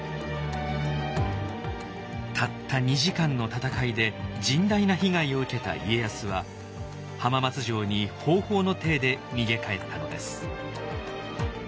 たった２時間の戦いで甚大な被害を受けた家康は浜松城にほうほうの体で逃げ帰ったのです。